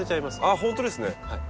あっ本当ですね。